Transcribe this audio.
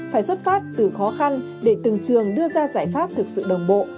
phải xuất phát từ khó khăn để từng trường đưa ra giải pháp thực sự đồng bộ